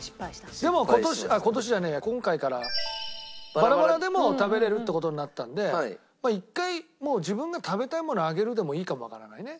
でも今年今年じゃねえや今回からバラバラでも食べれるって事になったんで一回自分が食べたいものを上げるでもいいかもわからないね。